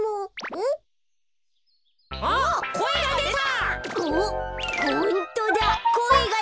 おっこえがでた！